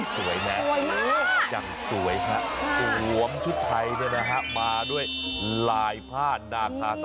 สวยแน่ะยังสวยค่ะรวมชุดไทยด้วยนะฮะมาด้วยลายผ้าหน้าคาสัตว์